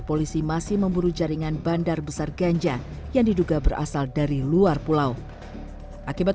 polisi masih memburu jaringan bandar besar ganja yang diduga berasal dari luar pulau akibat